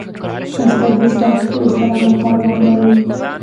استاد د سختیو سره مقاومت لري.